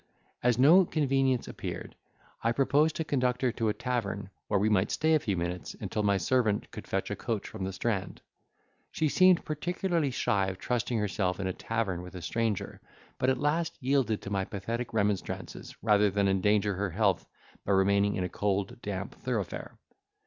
As no convenience appeared, I proposed to conduct her to a tavern, where we might stay a few minutes, until my servant could fetch a coach from the Strand. She seemed particularly shy of trusting herself in a tavern with a stranger, but at last yielded to my pathetic remonstrances, rather than endanger her health by remaining in a cold, damp thoroughfare.